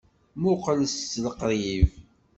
Muqqel s liqṛib!